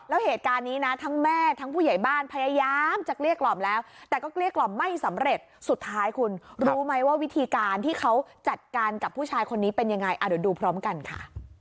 แล้วเหตุการณ์นี้นะทั้งแม่ทั้งผู้ใหญ่บ้านพยายามจะเกลี้ยกล่อมแล้วแต่ก็เกลี้ยกล่อมไม่สำเร็จสุดท้ายคุณรู้ไหมว่าวิธีการที่เขาจัดการกับผู้ชายคนนี้เป็นยังไงเดี๋ยวดูพร้อมกันค่ะ